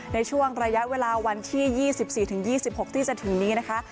ในช่วงระยะเวลาวันที่ยี่สิบสี่ถึงยี่สิบหกที่จะถึงนี้นะคะ